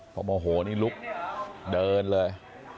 พอโมโหนี่ลุกเดินเลย